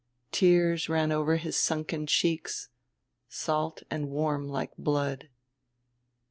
Tears ran over his sunken cheeks, salt and warm like blood.